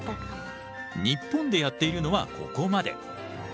日本でやっているのはここまで。